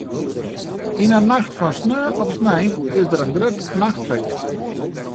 Yn 'e nacht fan sneon op snein is der in grut nachtfeest.